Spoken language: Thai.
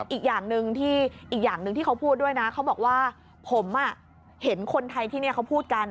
อีกอย่างนึงที่เขาพูดด้วยนะเขาบอกว่าผมเห็นคนไทยที่นี่เขาพูดกัน